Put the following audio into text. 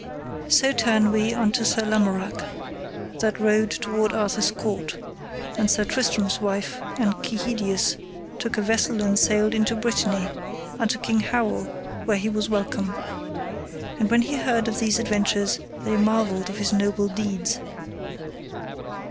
So turn we unto Sir Lamorak, that rode toward Arthur's court, and Sir Tristram's wife and Kehydius took a vessel and sailed into Brittany, unto King Howel, where he was welcome. And when he heard of these adventures they marvelled of his noble deeds.